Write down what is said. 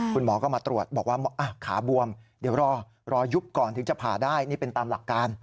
คุณหมอก็มาตรวจบอกว่าขาบวมเดี๋ยวรอยุบก่อนถึงจะผ่าได้นี่เป็นตามหลักการ